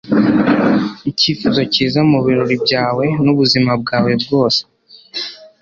icyifuzo cyiza mubirori byawe n'ubuzima bwawe bwose